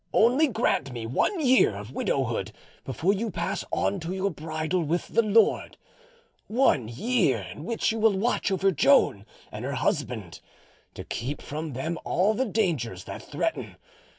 Only grant me one year of widowhood before you pass on to your bridal with the Lord, one year in which you will watch over Joan and her husband, to keep from them all the dangers that threaten.